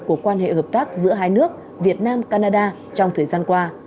của quan hệ hợp tác giữa hai nước việt nam canada trong thời gian qua